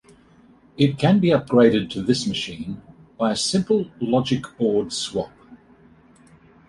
It can be upgraded to this machine by a simple logic board swap.